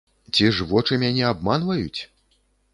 Ці ж вочы мяне абманваюць?